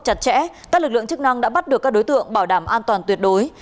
chặt chẽ các lực lượng chức năng đã bắt được các đối tượng bảo đảm an toàn tuyệt đối